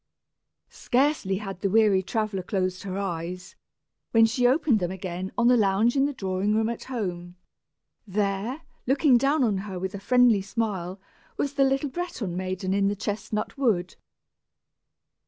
Scarcely had the weary traveller closed her eyes, when she opened them again on the lounge in the drawing room at home! There, looking down on her with a friendly smile, was the little Breton maiden in the chestnut wood.